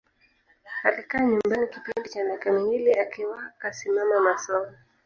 Alikaa nyumbani kipindi cha miaka miwili akiwa kasimama masomo